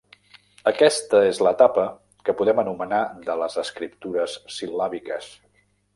Aquesta és l'etapa que podem anomenar de les escriptures sil·làbiques.